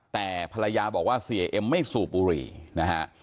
แต่ภรรยาบอกว่าเสียเอ็มไม่สูบบุหรี่นะฮะ